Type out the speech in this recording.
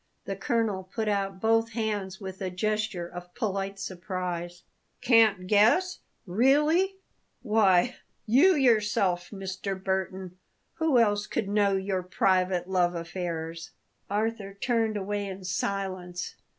The colonel put out both hands with a gesture of polite surprise. "Can't guess? Really? Why, you yourself, Mr. Burton. Who else could know your private love affairs?" Arthur turned away in silence.